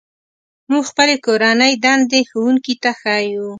موږ خپلې کورنۍ دندې ښوونکي ته ښيو.